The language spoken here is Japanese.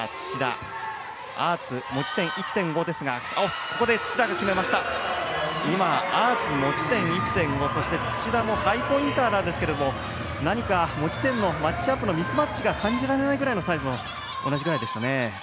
今、アーツ持ち点１．５そして土田もハイポインターなんですけども何か、持ち点のマッチアップのミスマッチが感じられないくらいのサイズ同じくらいでしたね。